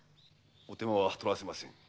お手間は取らせません。